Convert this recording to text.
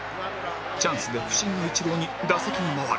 チャンスで不振のイチローに打席が回る